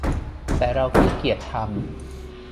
แต่เราขี้เกียจทำ